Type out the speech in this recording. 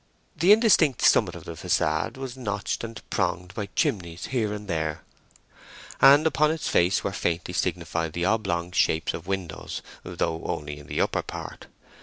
The indistinct summit of the façade was notched and pronged by chimneys here and there, and upon its face were faintly signified the oblong shapes of windows, though only in the upper part.